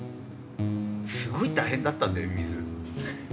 すごい大変だったんだよミミズ。